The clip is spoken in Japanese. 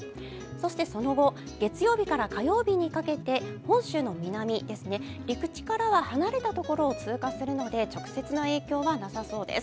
そしてその後、月曜日から火曜日にかけて本州の南、陸地からは離れたところを通過するので直接の影響はなさそうです。